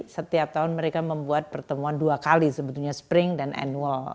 setiap tahun mereka membuat pertemuan dua kali sebetulnya spring dan annual